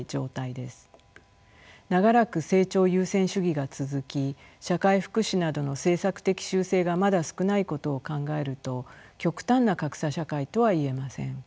長らく成長優先主義が続き社会福祉などの政策的修正がまだ少ないことを考えると極端な格差社会とは言えません。